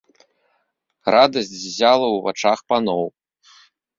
Радасць ззяла ў вачах паноў.